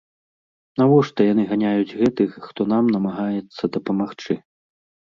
Навошта яны ганяюць гэтых, хто нам намагаецца дапамагчы?!